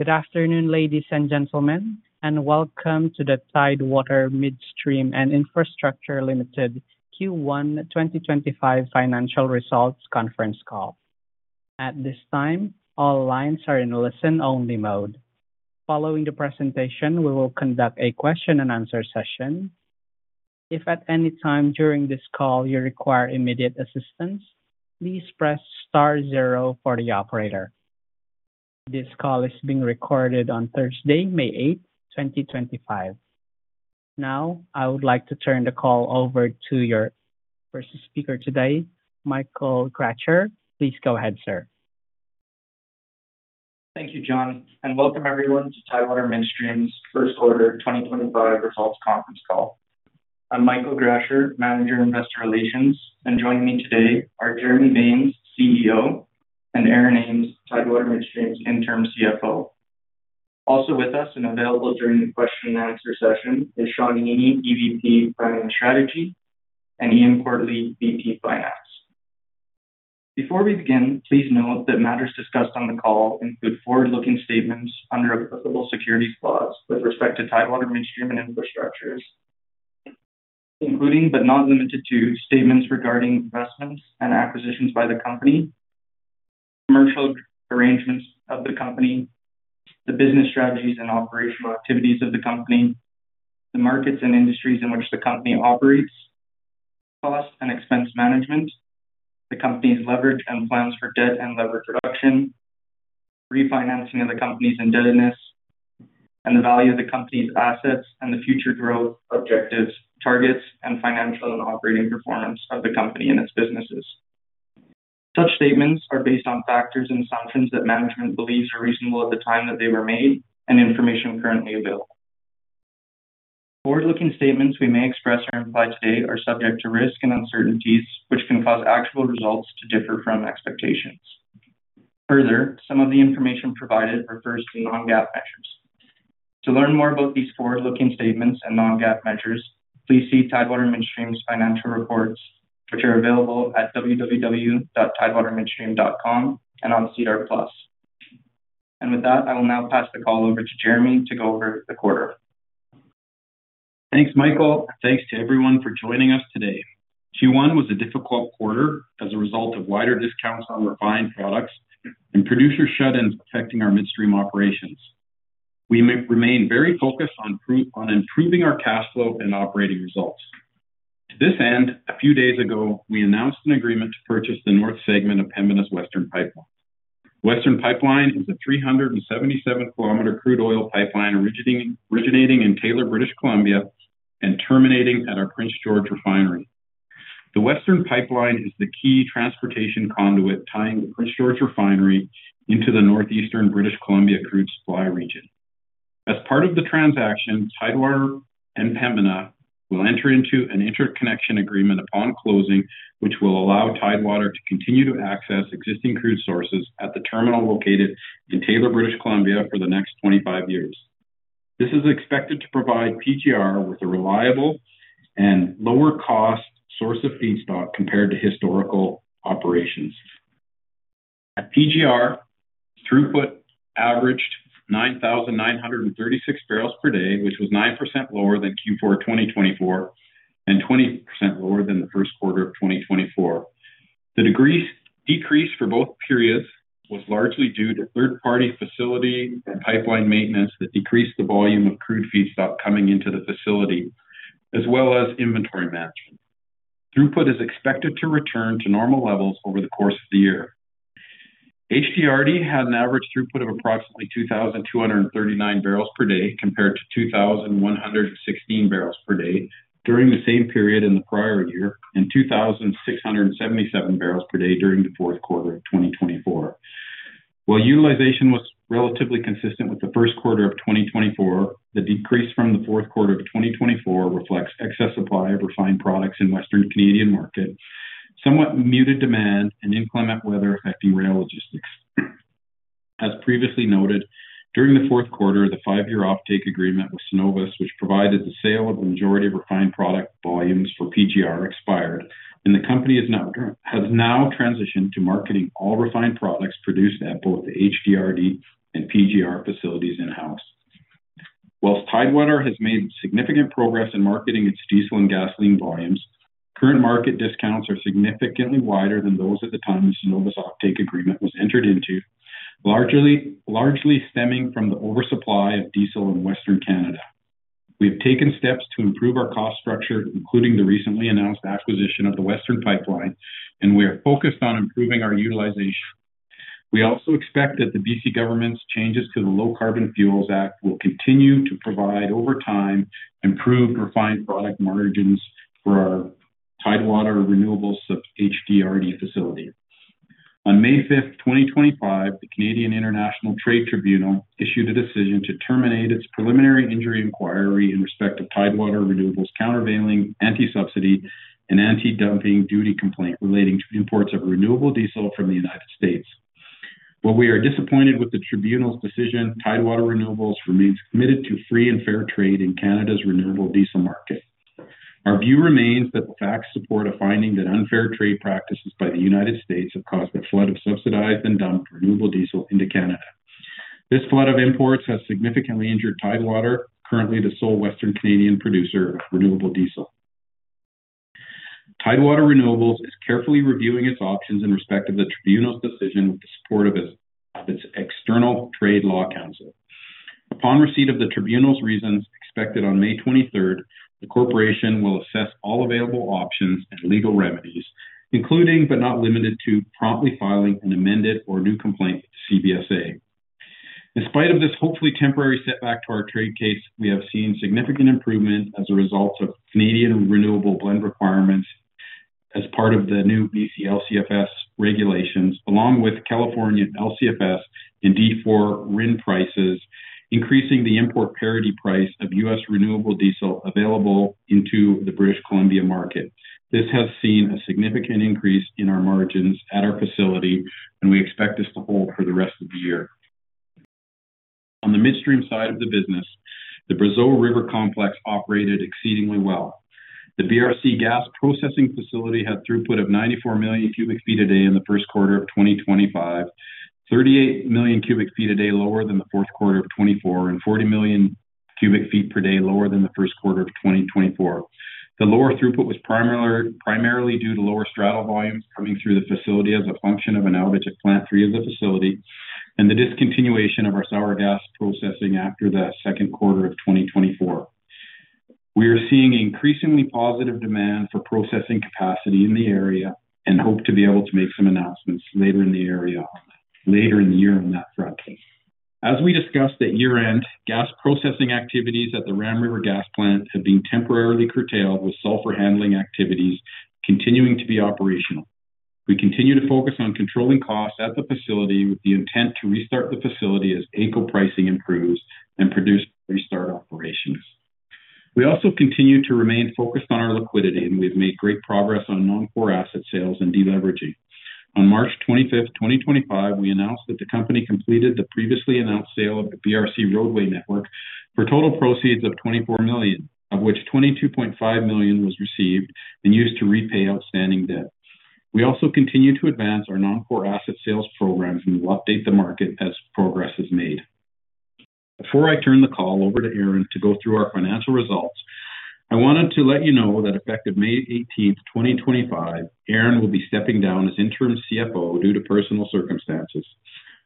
Good afternoon, ladies and gentlemen, and welcome to the Tidewater Midstream and Infrastructure Ltd Q1 2025 financial results conference call. At this time, all lines are in listen-only mode. Following the presentation, we will conduct a question-and-answer session. If at any time during this call you require immediate assistance, please press star zero for the operator. This call is being recorded on Thursday, May 8th, 2025. Now, I would like to turn the call over to your first speaker today, Michael Gracher. Please go ahead, sir. Thank you, John, and welcome everyone to Tidewater Midstream's first quarter 2025 results conference call. I'm Michael Gracher, Manager Investor Relations, and joining me today are Jeremy Baines, CEO, and Aaron Ames, Tidewater Midstream's interim CFO. Also with us and available during the question-and-answer session is Shawn Heaney, EVP, Planning and Strategy, and Ian Quartly, VP, Finance. Before we begin, please note that matters discussed on the call include forward-looking statements under applicable securities laws with respect to Tidewater Midstream and Infrastructure, including but not limited to statements regarding investments and acquisitions by the company, commercial arrangements of the company, the business strategies and operational activities of the company, the markets and industries in which the company operates, cost and expense management, the company's leverage and plans for debt and leverage reduction, refinancing of the company's indebtedness, and the value of the company's assets and the future growth objectives, targets, and financial and operating performance of the company and its businesses. Such statements are based on factors and assumptions that management believes are reasonable at the time that they were made and information currently available. The forward-looking statements we may express or imply today are subject to risk and uncertainties, which can cause actual results to differ from expectations. Further, some of the information provided refers to non-GAAP measures. To learn more about these forward-looking statements and non-GAAP measures, please see Tidewater Midstream's financial reports, which are available at www.tidewatermidstream.com and on SEDAR+. I will now pass the call over to Jeremy to go over the quarter. Thanks, Michael, and thanks to everyone for joining us today. Q1 was a difficult quarter as a result of wider discounts on refined products and producer shut-ins affecting our midstream operations. We remain very focused on improving our cash flow and operating results. To this end, a few days ago, we announced an agreement to purchase the north segment of Pembina's Western Pipeline. Western Pipeline is a 377 km crude oil pipeline originating in Taylor, British Columbia, and terminating at our Prince George Refinery. The Western Pipeline is the key transportation conduit tying the Prince George Refinery into the northeastern British Columbia crude supply region. As part of the transaction, Tidewater and Pembina will enter into an interconnection agreement upon closing, which will allow Tidewater to continue to access existing crude sources at the terminal located in Taylor, British Columbia, for the next 25 years. This is expected to provide PGR with a reliable and lower-cost source of feedstock compared to historical operations. At PGR, throughput averaged 9,936 bbl per day, which was 9% lower than Q4 2024 and 20% lower than the first quarter of 2024. The decrease for both periods was largely due to third-party facility and pipeline maintenance that decreased the volume of crude feedstock coming into the facility, as well as inventory management. Throughput is expected to return to normal levels over the course of the year. HDRD had an average throughput of approximately 2,239 bbl per day compared to 2,116 bbl per day during the same period in the prior year and 2,677 bbl per day during the fourth quarter of 2024. While utilization was relatively consistent with the first quarter of 2024, the decrease from the fourth quarter of 2024 reflects excess supply of refined products in the Western Canadian market, somewhat muted demand, and inclement weather affecting rail logistics. As previously noted, during the fourth quarter, the five-year offtake agreement with Synovus, which provided the sale of the majority of refined product volumes for PGR, expired, and the company has now transitioned to marketing all refined products produced at both the HDRD and PGR facilities in-house. Whilst Tidewater has made significant progress in marketing its diesel and gasoline volumes, current market discounts are significantly wider than those at the time the Synovus offtake agreement was entered into, largely stemming from the oversupply of diesel in Western Canada. We have taken steps to improve our cost structure, including the recently announced acquisition of the Western Pipeline, and we are focused on improving our utilization. We also expect that the BC government's changes to the Low Carbon Fuels Act will continue to provide, over time, improved refined product margins for our Tidewater Renewables' HDRD facility. On May 5th 2025, the Canadian International Trade Tribunal issued a decision to terminate its preliminary injury inquiry in respect of Tidewater Renewables' countervailing, anti-subsidy, and anti-dumping duty complaint relating to imports of renewable diesel from the United States. While we are disappointed with the Tribunal's decision, Tidewater Renewables remains committed to free and fair trade in Canada's renewable diesel market. Our view remains that the facts support a finding that unfair trade practices by the United States have caused a flood of subsidized and dumped renewable diesel into Canada. This flood of imports has significantly injured Tidewater, currently the sole Western Canadian producer of renewable diesel. Tidewater Renewables is carefully reviewing its options in respect of the Tribunal's decision with the support of its external trade law counsel. Upon receipt of the Tribunal's reasons expected on May 23rd, the corporation will assess all available options and legal remedies, including but not limited to promptly filing an amended or new complaint with the CBSA. In spite of this hopefully temporary setback to our trade case, we have seen significant improvement as a result of Canadian renewable blend requirements as part of the new BC LCFS regulations, along with California LCFS and D4 RIN prices, increasing the import parity price of U.S. renewable diesel available into the British Columbia market. This has seen a significant increase in our margins at our facility, and we expect this to hold for the rest of the year. On the midstream side of the business, the Brazeau River Complex operated exceedingly well. The BRC gasp rocessing facility had throughput of 94 million cu ft a day in the first quarter of 2025, 38 million cu ft a day lower than the fourth quarter of 2024, and 40 million cu ft per day lower than the first quarter of 2024. The lower throughput was primarily due to lower straddle volumes coming through the facility as a function of an outage at Plant 3 of the facility and the discontinuation of our sour gas processing after the second quarter of 2024. We are seeing increasingly positive demand for processing capacity in the area and hope to be able to make some announcements later in the year on that front. As we discussed at year-end, gas processing activities at the Ram River Gas Plant have been temporarily curtailed, with sulfur handling activities continuing to be operational. We continue to focus on controlling costs at the facility with the intent to restart the facility as ACO pricing improves and produce restart operations. We also continue to remain focused on our liquidity, and we have made great progress on non-core asset sales and deleveraging. On March 25th 2025, we announced that the company completed the previously announced sale of the Brazeau River Complex roadway network for total proceeds of 24 million, of which 22.5 million was received and used to repay outstanding debt. We also continue to advance our non-core asset sales programs and will update the market as progress is made. Before I turn the call over to Aaron to go through our financial results, I wanted to let you know that effective May 18th, 2025, Aaron will be stepping down as interim CFO due to personal circumstances.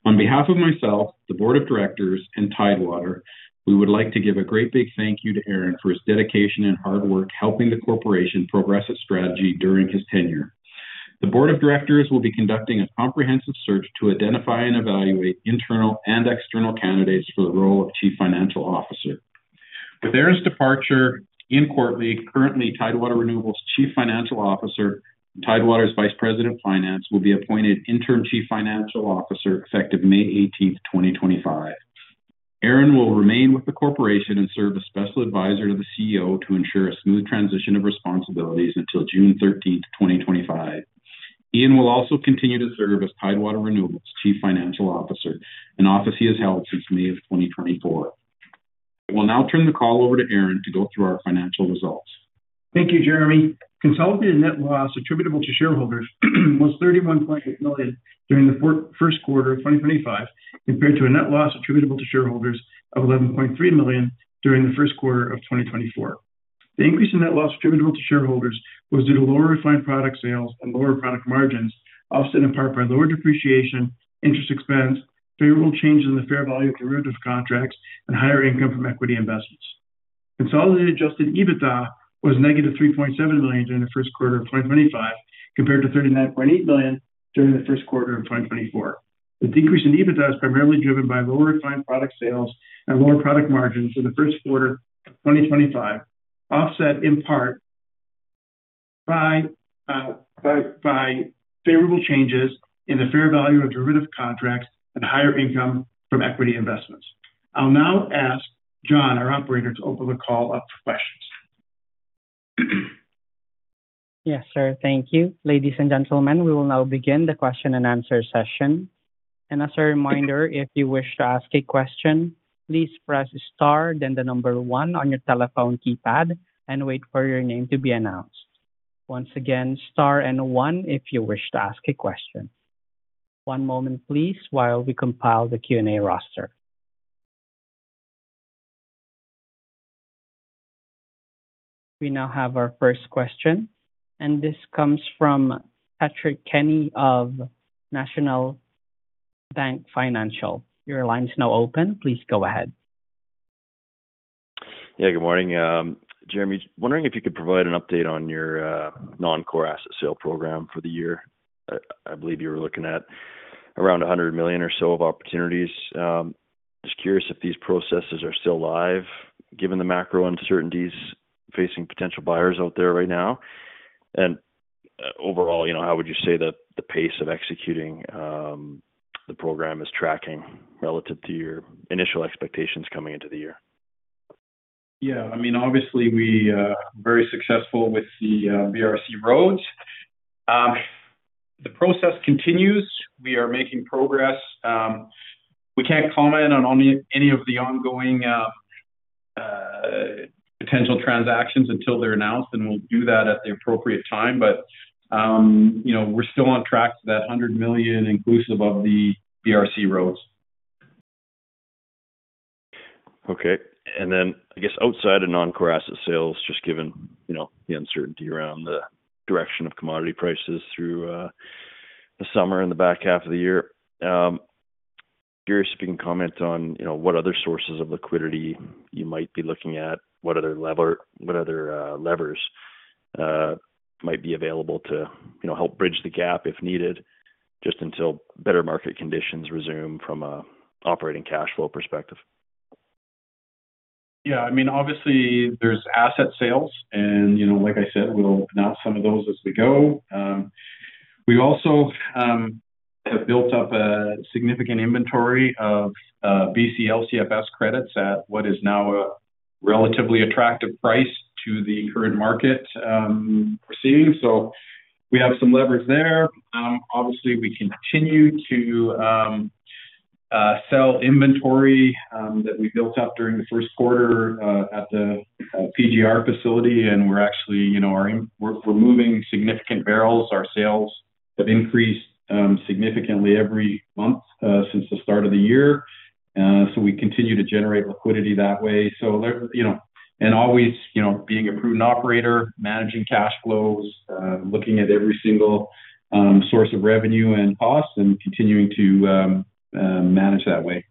On behalf of myself, the Board of Directors, and Tidewater, we would like to give a great big thank you to Aaron for his dedication and hard work helping the corporation progress its strategy during his tenure. The Board of Directors will be conducting a comprehensive search to identify and evaluate internal and external candidates for the role of Chief Financial Officer. With Aaron's departure, Ian Quartly, currently Tidewater Renewables' Chief Financial Officer, Tidewater's Vice President of Finance, will be appointed interim Chief Financial Officer effective May 18th, 2025. Aaron will remain with the corporation and serve as Special Advisor to the CEO to ensure a smooth transition of responsibilities until June 13th, 2025. Ian will also continue to serve as Tidewater Renewables' Chief Financial Officer, an office he has held since May of 2024. I will now turn the call over to Aaron to go through our financial results. Thank you, Jeremy. Consolidated net loss attributable to shareholders was 31.8 million during the first quarter of 2025 compared to a net loss attributable to shareholders of 11.3 million during the first quarter of 2024. The increase in net loss attributable to shareholders was due to lower refined product sales and lower product margins, offset in part by lower depreciation, interest expense, favorable changes in the fair value of derivative contracts, and higher income from equity investments. Consolidated adjusted EBITDA was -3.7 million during the first quarter of 2025 compared to 39.8 million during the first quarter of 2024. The decrease in EBITDA is primarily driven by lower refined product sales and lower product margins in the first quarter of 2025, offset in part by favorable changes in the fair value of derivative contracts and higher income from equity investments. I'll now ask John, our operator, to open the call up for questions. Yes, sir. Thank you. Ladies and gentlemen, we will now begin the question-and-answer session. As a reminder, if you wish to ask a question, please press star, then the number one on your telephone keypad, and wait for your name to be announced. Once again, star and one if you wish to ask a question. One moment, please, while we compile the Q&A roster. We now have our first question, and this comes from Patrick Kenney of National Bank Financial. Your line is now open. Please go ahead. Yeah, good morning. Jeremy, wondering if you could provide an update on your non-core asset sale program for the year. I believe you were looking at around 100 million or so of opportunities. Just curious if these processes are still live, given the macro uncertainties facing potential buyers out there right now. Overall, how would you say that the pace of executing the program is tracking relative to your initial expectations coming into the year? Yeah, I mean, obviously, we are very successful with the BRC roads. The process continues. We are making progress. We can't comment on any of the ongoing potential transactions until they're announced, and we'll do that at the appropriate time. We are still on track to that 100 million inclusive of the BRC roads. Okay. I guess, outside of non-core asset sales, just given the uncertainty around the direction of commodity prices through the summer and the back half of the year, curious if you can comment on what other sources of liquidity you might be looking at, what other levers might be available to help bridge the gap if needed just until better market conditions resume from an operating cash flow perspective. Yeah, I mean, obviously, there's asset sales, and like I said, we'll announce some of those as we go. We also have built up a significant inventory of BC LCFS credits at what is now a relatively attractive price to the current market we're seeing. We have some levers there. Obviously, we continue to sell inventory that we built up during the first quarter at the PGR facility, and we're actually removing significant barrels. Our sales have increased significantly every month since the start of the year. We continue to generate liquidity that way. Always being a prudent operator, managing cash flows, looking at every single source of revenue and cost, and continuing to manage that way.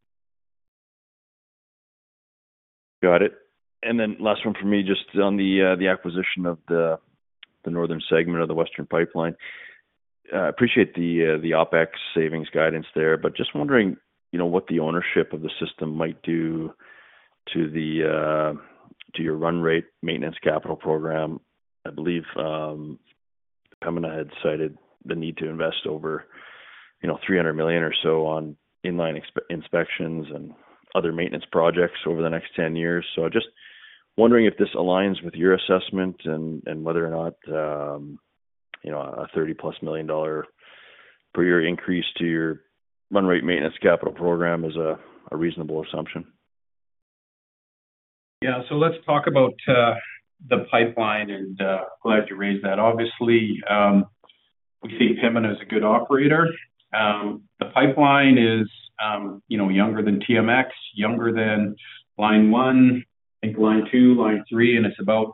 Got it. And then last one for me, just on the acquisition of the northern segment of the Western Pipeline. I appreciate the OpEx savings guidance there, but just wondering what the ownership of the system might do to your run rate maintenance capital program. I believe the company had cited the need to invest over 300 million or so on inline inspections and other maintenance projects over the next 10 years. So just wondering if this aligns with your assessment and whether or not a 30+ million dollar per year increase to your run rate maintenance capital program is a reasonable assumption. Yeah. Let's talk about the pipeline, and I'm glad you raised that. Obviously, we think Pembina is a good operator. The pipeline is younger than TMX, younger than Line 1, I think Line 2, Line 3, and it's about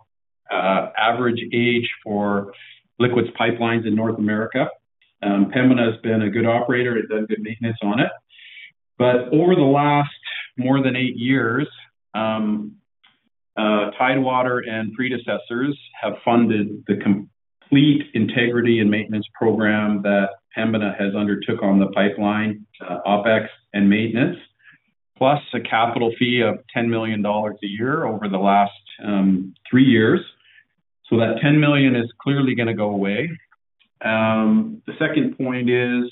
average age for liquids pipelines in North America. Pembina has been a good operator. It's done good maintenance on it. Over the last more than eight years, Tidewater and predecessors have funded the complete integrity and maintenance program that Pembina has undertaken on the pipeline, OpEx, and maintenance, plus a capital fee of 10 million dollars a year over the last three years. That 10 million is clearly going to go away. The second point is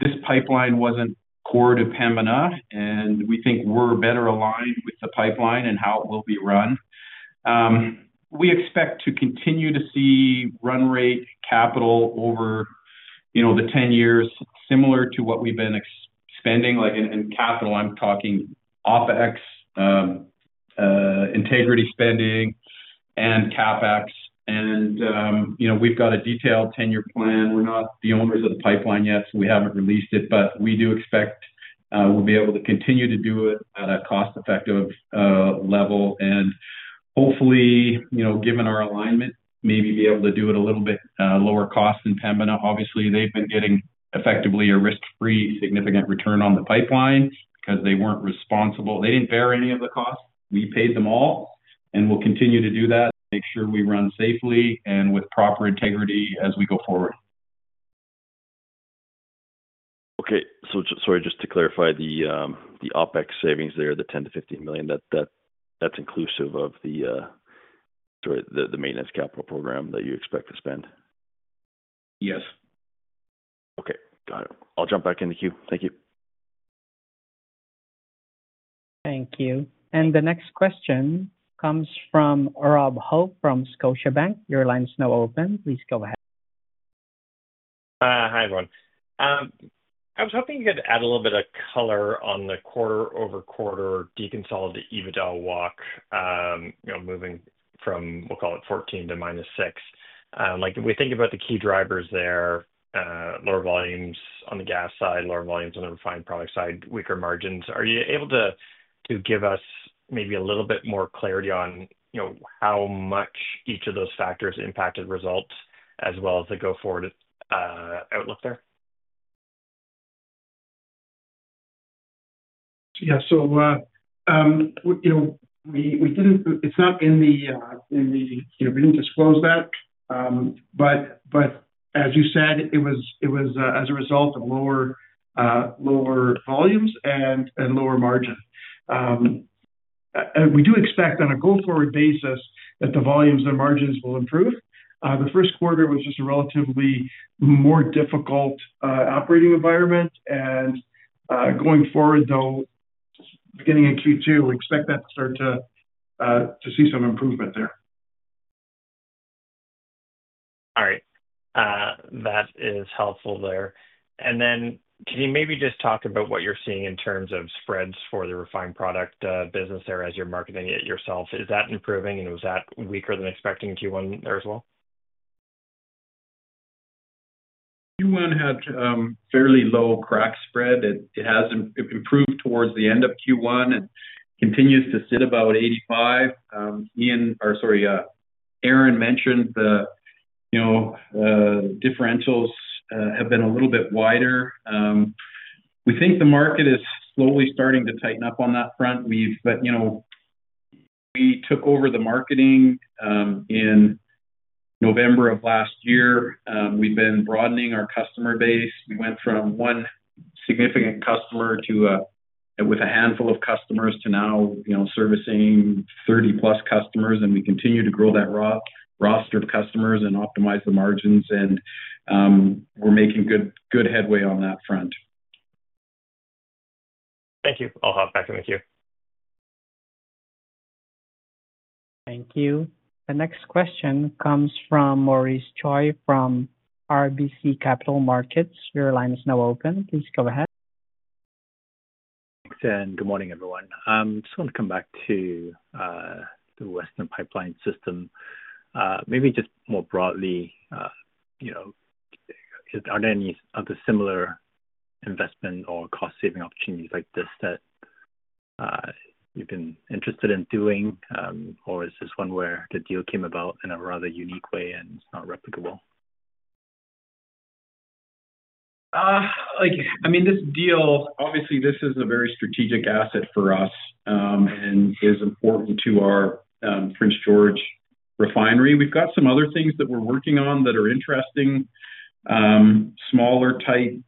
this pipeline wasn't core to Pembina, and we think we're better aligned with the pipeline and how it will be run. We expect to continue to see run rate capital over the 10 years, similar to what we've been spending. In capital, I'm talking OpEx, integrity spending, and CapEx. We've got a detailed tenure plan. We're not the owners of the pipeline yet, so we haven't released it, but we do expect we'll be able to continue to do it at a cost-effective level. Hopefully, given our alignment, maybe be able to do it at a little bit lower cost than Pembina. Obviously, they've been getting effectively a risk-free significant return on the pipeline because they weren't responsible. They didn't bear any of the costs. We paid them all, and we'll continue to do that, make sure we run safely and with proper integrity as we go forward. Okay. Sorry, just to clarify, the OpEx savings there, the 10 million-15 million, that's inclusive of the maintenance capital program that you expect to spend. Yes. Okay. Got it. I'll jump back in the queue. Thank you. Thank you. The next question comes from Rob Hope from Scotiabank. Your line is now open. Please go ahead. Hi, everyone. I was hoping you could add a little bit of color on the quarter-over-quarter deconsolidated EBITDA walk, moving from, we'll call it 14 to -6. If we think about the key drivers there, lower volumes on the gas side, lower volumes on the refined product side, weaker margins, are you able to give us maybe a little bit more clarity on how much each of those factors impacted results as well as the go-forward outlook there? Yeah. It is not in the we did not disclose that. As you said, it was as a result of lower volumes and lower margin. We do expect on a go-forward basis that the volumes and margins will improve. The first quarter was just a relatively more difficult operating environment. Going forward, though, beginning in Q2, we expect that to start to see some improvement there. All right. That is helpful there. Can you maybe just talk about what you're seeing in terms of spreads for the refined product business there as you're marketing it yourself? Is that improving, and was that weaker than expected in Q1 there as well? Q1 had fairly low crack spread. It has improved towards the end of Q1 and continues to sit about 85. Ian, or sorry, Aaron mentioned the differentials have been a little bit wider. We think the market is slowly starting to tighten up on that front. We took over the marketing in November of last year. We have been broadening our customer base. We went from one significant customer with a handful of customers to now servicing 30+ customers. We continue to grow that roster of customers and optimize the margins, and we are making good headway on that front. Thank you. I'll hop back in the queue. Thank you. The next question comes from Maurice Choy from RBC Capital Markets. Your line is now open. Please go ahead. Thanks. Good morning, everyone. I just want to come back to the Western Pipeline system. Maybe just more broadly, are there any other similar investment or cost-saving opportunities like this that you've been interested in doing, or is this one where the deal came about in a rather unique way and it's not replicable? I mean, obviously, this is a very strategic asset for us and is important to our Prince George Refinery. We've got some other things that we're working on that are interesting, smaller-type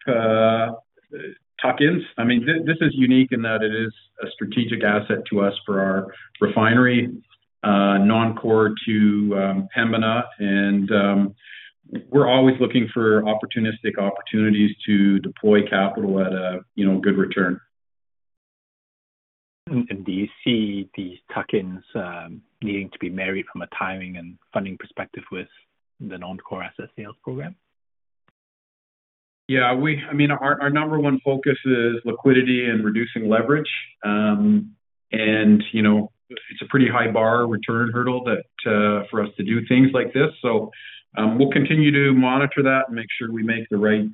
tuck-ins. I mean, this is unique in that it is a strategic asset to us for our refinery, non-core to Pembina. And we're always looking for opportunistic opportunities to deploy capital at a good return. Do you see these tuck-ins needing to be married from a timing and funding perspective with the non-core asset sales program? Yeah. I mean, our number one focus is liquidity and reducing leverage. It's a pretty high-bar return hurdle for us to do things like this. We will continue to monitor that and make sure we make the right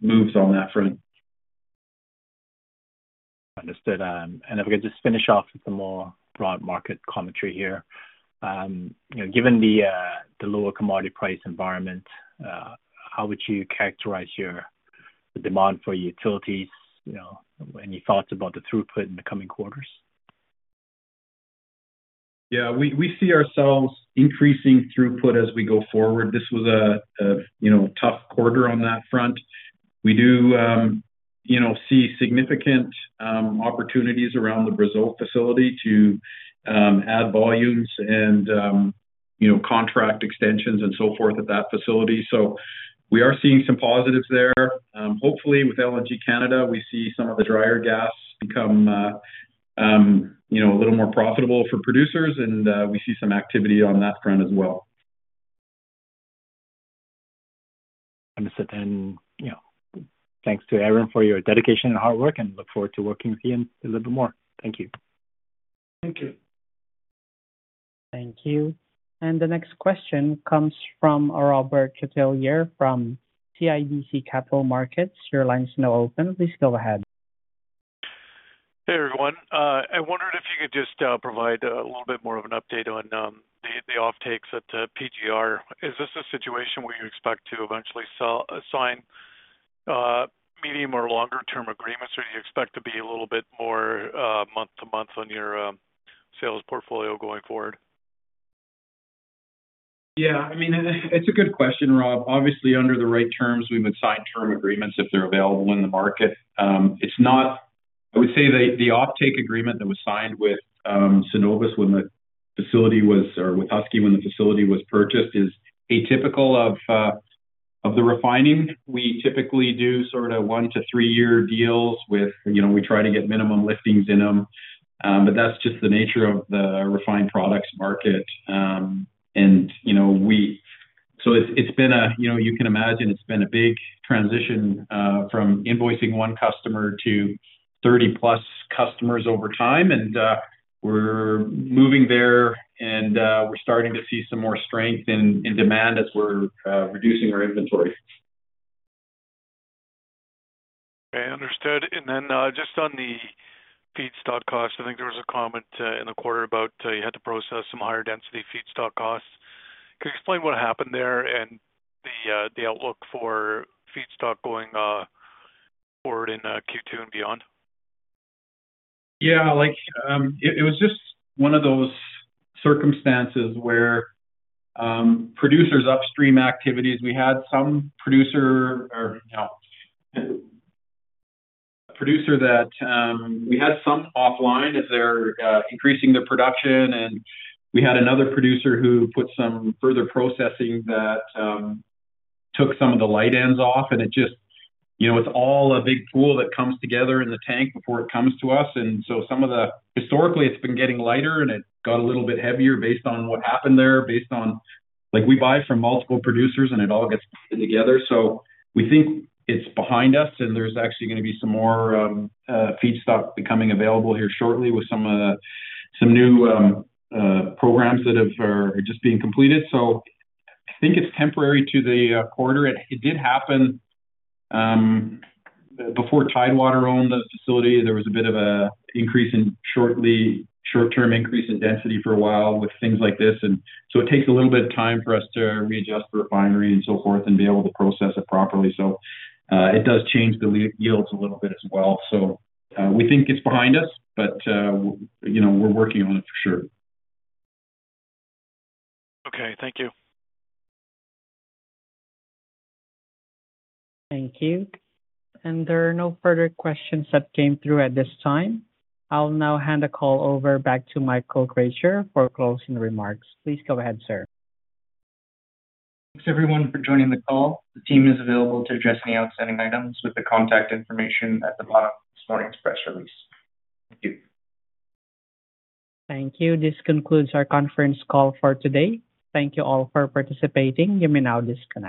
moves on that front. Understood. If we could just finish off with some more broad market commentary here. Given the lower commodity price environment, how would you characterize the demand for utilities? Any thoughts about the throughput in the coming quarters? Yeah. We see ourselves increasing throughput as we go forward. This was a tough quarter on that front. We do see significant opportunities around the Brazeau facility to add volumes and contract extensions and so forth at that facility. So we are seeing some positives there. Hopefully, with LNG Canada, we see some of the drier gas become a little more profitable for producers, and we see some activity on that front as well. Understood. Thank you to Aaron for your dedication and hard work, and I look forward to working with you a little bit more. Thank you. Thank you. Thank you. The next question comes from Robert Catellier from CIBC Capital Markets. Your line is now open. Please go ahead. Hey, everyone. I wondered if you could just provide a little bit more of an update on the offtakes at PGR. Is this a situation where you expect to eventually sign medium- or longer-term agreements, or do you expect to be a little bit more month-to-month on your sales portfolio going forward? Yeah. I mean, it's a good question, Rob. Obviously, under the right terms, we would sign term agreements if they're available in the market. I would say the offtake agreement that was signed with Synovus when the facility was, or with Husky when the facility was purchased, is atypical of the refining. We typically do sort of one- to three-year deals with we try to get minimum liftings in them, but that's just the nature of the refined products market. It's been a, you can imagine, it's been a big transition from invoicing one customer to 30+ customers over time. We're moving there, and we're starting to see some more strength in demand as we're reducing our inventory. Okay. Understood. Then just on the feedstock costs, I think there was a comment in the quarter about you had to process some higher-density feedstock costs. Could you explain what happened there and the outlook for feedstock going forward in Q2 and beyond? Yeah. It was just one of those circumstances where producers' upstream activities, we had some producer, or no, a producer that we had some offline as they're increasing their production. We had another producer who put some further processing that took some of the light ends off. It's all a big pool that comes together in the tank before it comes to us. Historically, it's been getting lighter, and it got a little bit heavier based on what happened there, based on we buy from multiple producers, and it all gets together. We think it's behind us, and there's actually going to be some more feedstock becoming available here shortly with some new programs that are just being completed. I think it's temporary to the quarter. It did happen before Tidewater owned the facility. There was a bit of a short-term increase in density for a while with things like this. It takes a little bit of time for us to readjust the refinery and so forth and be able to process it properly. It does change the yields a little bit as well. We think it's behind us, but we're working on it for sure. Okay. Thank you. Thank you. There are no further questions that came through at this time. I'll now hand the call over back to Michael Gracher for closing remarks. Please go ahead, sir. Thanks, everyone, for joining the call. The team is available to address any outstanding items with the contact information at the bottom of this morning's press release. Thank you. Thank you. This concludes our conference call for today. Thank you all for participating. You may now disconnect.